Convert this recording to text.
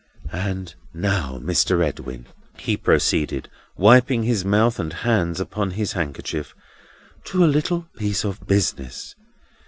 "And now, Mr. Edwin," he proceeded, wiping his mouth and hands upon his handkerchief: "to a little piece of business.